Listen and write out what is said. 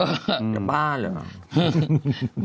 อย่าบ้าเลยอ่ะ